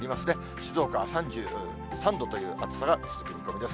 静岡は３３度という暑さが続く見込みです。